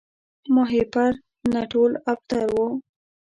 ماهیپر نه ټول ابتر وو